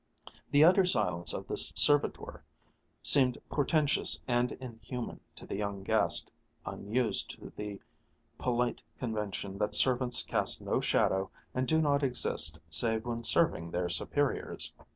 The utter silence of this servitor seemed portentous and inhuman to the young guest, unused to the polite convention that servants cast no shadow and do not exist save when serving their superiors.